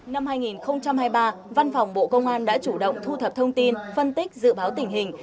năm hai nghìn hai mươi ba văn phòng bộ công an đã chủ động thu thập thông tin phân tích dự báo tình hình